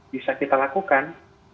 bisa kita lakukan